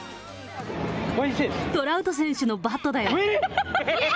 トラウト選手のバットだよ。